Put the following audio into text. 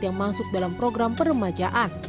yang masuk dalam program peremajaan